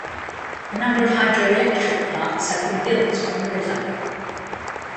A number of hydroelectric plants have been built on the river.